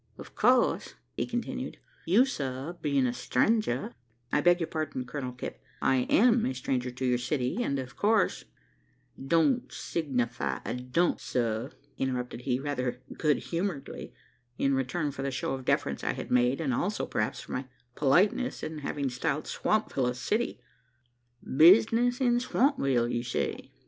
"Of course," continued he, "you, sir, bein' a strenger " "I beg your pardon, Colonel Kipp: I am a stranger to your city, and of course " "Don't signify a dump, sir," interrupted he, rather good humouredly, in return for the show of deference I had made, as also, perhaps for my politeness in having styled Swampville a city. "Business in Swampville, you say?"